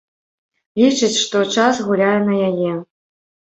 Лічыць, што час гуляе на яе.